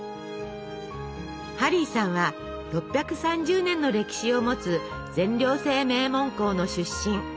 ハリーさんは６３０年の歴史をもつ全寮制名門校の出身。